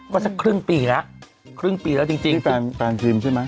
ว่าสักครึ่งปีแล้วครึ่งปีแล้วจริงจริงพี่แฟนแฟนครีมใช่ไหม